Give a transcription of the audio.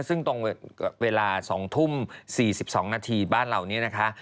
ซึ่งตรงเวลา๒ทุ่ม๔๒นาทีบ้านเรานี้นะคะ